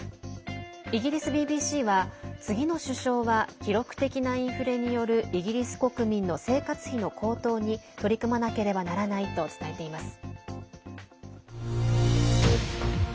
イギリスＢＢＣは次の首相は記録的なインフレによるイギリス国民の生活費の高騰に取り組まなければならないと伝えています。